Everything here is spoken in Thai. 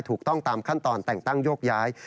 ถูกต้องตามขั้นตอนแต่งตั้งโยกย้าย